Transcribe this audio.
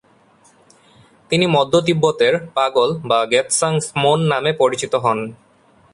তিনি মধ্য তিব্বতের পাগল বা গ্ত্সাং-স্ম্যোন নামে পরিচিত হন।